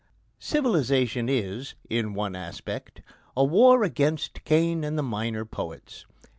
Civilisation is, in one aspect, a war against Cain and the minor poets.